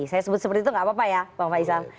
saya sebut seperti itu nggak apa apa ya bang faisal